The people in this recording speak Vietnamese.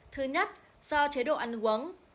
thứ nhất do chế độ ăn uống